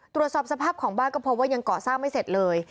ตรวจสอบสภาพของบ้านก็พบว่ายังเกาะสร้างไม่เสร็จเลย